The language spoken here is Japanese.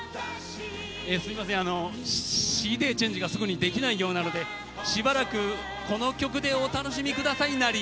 すいませんＣＤチェンジがすぐにできないようなのでしばらくこの曲でお楽しみ下さいナリ。